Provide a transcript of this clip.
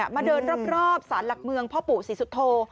มาเดินรอบสารหลักเมืองพ่อปู่ศรีสุโธ